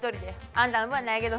あんたの分はないけど。